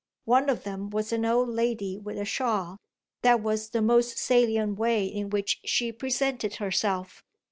One of them was an old lady with a shawl; that was the most salient way in which she presented herself.